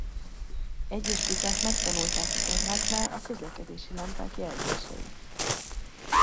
Egyes kutyák megtanulták a zebráknál a közlekedési lámpák jelzéseit.